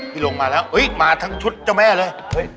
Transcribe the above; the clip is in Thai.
ที่ลงมาแล้วมาทั้งชุดเจ้าแม่เลย